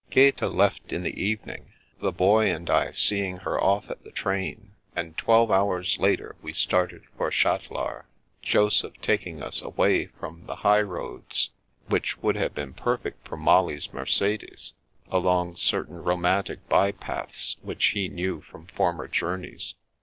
Gaeta left in the evening, the Boy and I seeing her off at the train; and twelve hours later we started for Chatelard, Joseph taking us away from the high roads — ^which would have been perfect for Molly's Mercedes — ^along certain romantic by paths which he knew from former journeys.